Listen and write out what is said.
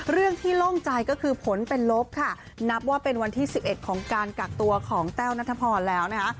เรื่องที่โล่งใจก็คือผลเป็นลบค่ะนับว่าเป็นวันที่๑๑ของการกักตัวของแต้วนัทพรแล้วนะคะ